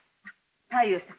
太夫さん